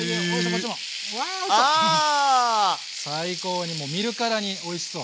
最高にもう見るからにおいしそう。